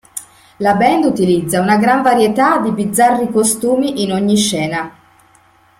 La band utilizza una gran varietà di bizzarri costumi in ogni scena.